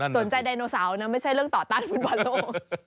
ไดโนเสาร์นะไม่ใช่เรื่องต่อต้านฟุตบอลโลก